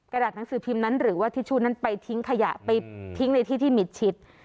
กระดาษหนังสือพิมพ์นั้นหรือว่าทิชชู่นั้นไปทิ้งขยะไปทิ้งในที่ที่มิดชิด